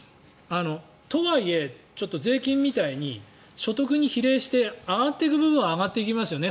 とはいえ、ちょっと税金みたいに所得に比例して上がっていく部分は上がっていきますよね。